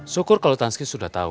syukur kalau taski sudah tahu